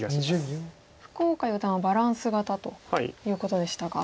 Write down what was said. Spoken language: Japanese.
福岡四段はバランス型ということでしたが。